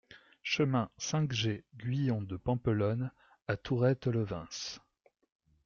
Chemin cinq G Guyon de Pampelonne à Tourrette-Levens